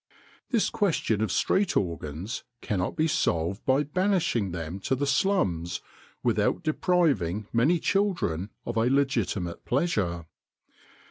This question of street organs cannot be solved by banishing them to the slums without depriving many children of a legitimate pleasure.